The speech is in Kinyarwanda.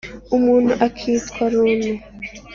umuntu akitwa runtu.